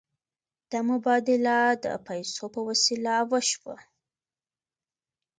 دا مبادله د پیسو په وسیله وشوه.